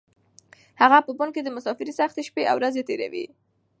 هغه په بن کې د مسافرۍ سختې شپې او ورځې تېروي.